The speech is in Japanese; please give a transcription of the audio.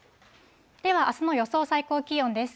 では、あすの予想最高気温です。